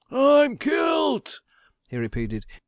'I'm kilt!' he repeated.